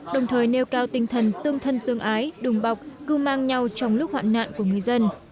đồng thời nêu cao tinh thần tương thân tương ái đùng bọc cưu mang nhau trong lúc hoạn nạn của người dân